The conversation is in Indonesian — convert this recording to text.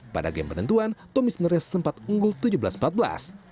pada game penentuan tommy sebenarnya sempat unggul tujuh belas empat belas